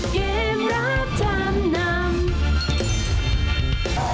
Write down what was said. เกมรับจำนำ